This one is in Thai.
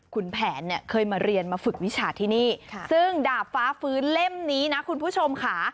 คุณแผนเนี่ยเคยมาเรียนมาฝึกวิชาที่นี่ซึ่งดาบฟ้าฟื้นเล่มนี้นะคุณผู้ชมค่ะ